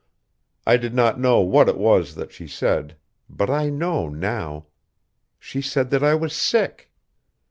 I did not know what it was that she said; but I know now. She said that I was sick.